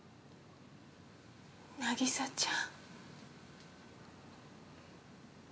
凪沙ちゃん。